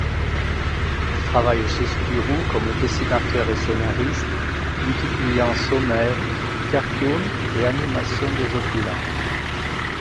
Il travaille chez Spirou comme dessinateur et scénariste, multipliant sommaires, cartoons et animations désopilantes.